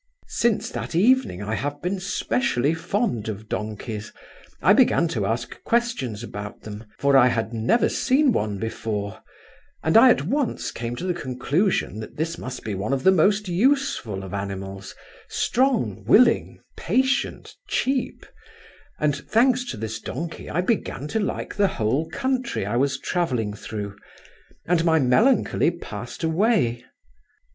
"Since that evening I have been specially fond of donkeys. I began to ask questions about them, for I had never seen one before; and I at once came to the conclusion that this must be one of the most useful of animals—strong, willing, patient, cheap; and, thanks to this donkey, I began to like the whole country I was travelling through; and my melancholy passed away."